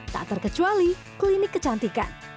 tak terkecuali klinik kecantikan